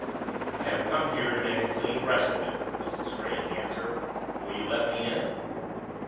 "I have come here to make a clean breast of it!" was the strange answer. "Will you let me in?"